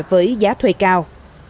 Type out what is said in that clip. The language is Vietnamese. với giá thuê cao